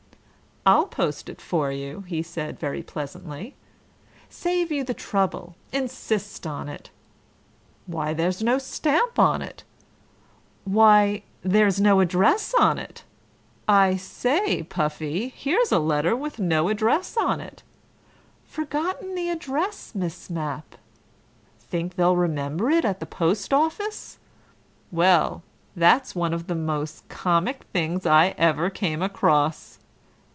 "I'll post it for you," he said very pleasantly. "Save you the trouble. Insist on it. Why, there's no stamp on it! Why, there's no address on it! I say, Puffie, here's a letter with no address on it. Forgotten the address, Miss Mapp? Think they'll remember it at the post office? Well, that's one of the mos' comic things I ever came across.